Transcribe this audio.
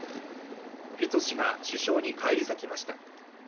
フィツォ氏が首相に返り咲きました。